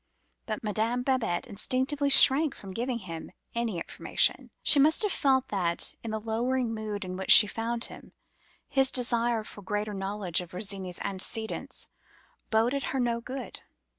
But Madame Babette instinctively shrank from giving him any information: she must have felt that, in the lowering mood in which she found him, his desire for greater knowledge of Virginie's antecedents boded her no good.